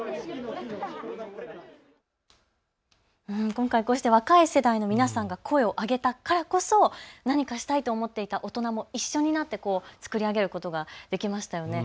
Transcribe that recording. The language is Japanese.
今回、こうした若い世代の皆さんが声を上げたからこそ何かしたいと思っていた大人も一緒になって作り上げることができましたよね。